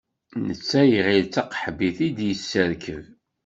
Netta iɣil d taqaḥbit i d-yesserkeb.